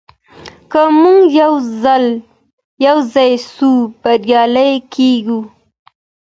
که موږ يو ځای سو بريالي کيږو.